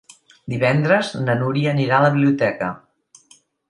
Divendres na Núria anirà a la biblioteca.